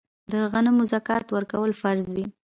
د غنمو زکات ورکول فرض دي.